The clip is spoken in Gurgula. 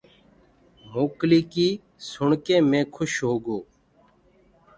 موڪلي سُڻ ڪي مينٚ کوش هوگو۔